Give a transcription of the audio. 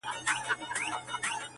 دغه سُر خالقه دغه تال کي کړې بدل